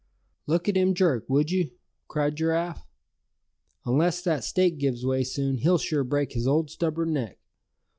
"Look at him jerk, would you?" cried Giraffe. "Unless that stake gives way soon, he'll sure break his old stubborn neck.